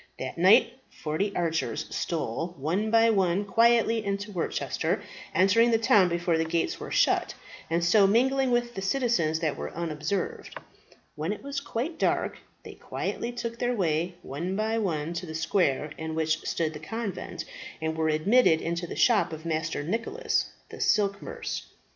That night forty archers stole, one by one, quietly into Worcester, entering the town before the gates were shut, and so mingling with the citizens that they were unobserved. When it was quite dark they quietly took their way, one by one, to the square in which stood the convent, and were admitted into the shop of Master Nicholas, the silk mercer.